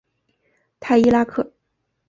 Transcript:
泰伊拉克。